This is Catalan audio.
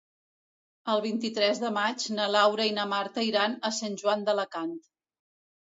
El vint-i-tres de maig na Laura i na Marta iran a Sant Joan d'Alacant.